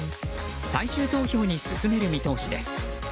最終投票に進める見通しです。